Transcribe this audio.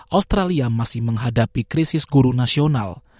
australia masih menghadapi krisis guru nasional